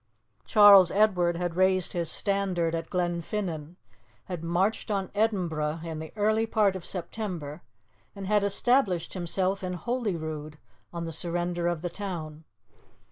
Charles Edward had raised his standard at Glenfinnan, had marched on Edinburgh in the early part of September, and had established himself in Holyrood on the surrender of the town.